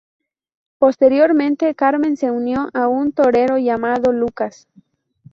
Posteriormente Carmen se unió a un torero llamado Lucas.